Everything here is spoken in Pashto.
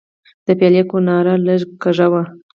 د پیالې کناره لږه کږه وه.